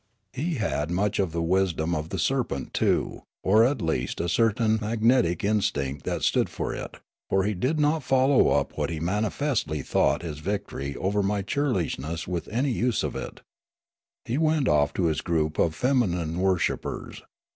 He had much of the wisdom of the serpent, too, or at least a certain magnetic instinct that stood for it; for he did not follow up what he manifestly thought his victory over my churlishness with any use of it; He went off to his group of feminine worshippers.